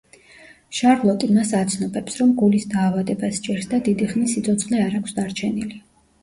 შარლოტი მას აცნობებს, რომ გულის დაავადება სჭირს და დიდი ხნის სიცოცხლე არ აქვს დარჩენილი.